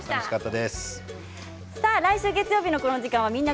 来週月曜日のこの時間は「みんな！